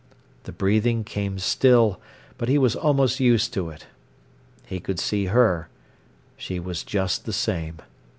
The breathing came still, but he was almost used to it. He could see her. She was just the same.